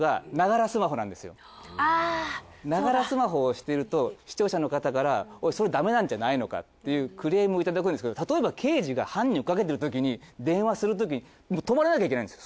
ながらスマホをしてると視聴者の方からそれだめなんじゃないのかっていうクレームをいただくんですけど例えば刑事が犯人追っかけてるときに電話するとき止まらなきゃいけないんです